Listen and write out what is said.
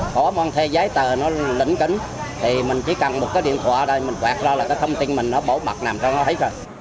có mong thê giấy tờ nó lĩnh kính thì mình chỉ cần một cái điện thoại đây mình quạt ra là cái thông tin mình nó bổ mặt nằm ra nó thấy rồi